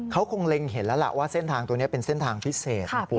เขาคงเล็งเห็นแล้วล่ะว่าเส้นทางตรงนี้เป็นเส้นทางพิเศษนะคุณ